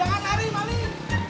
jangan lari malink